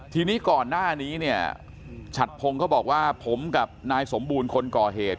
ทีนี้ก่อนหน้านี้เนี่ยฉัดพงศ์เขาบอกว่าผมกับนายสมบูรณ์คนก่อเหตุ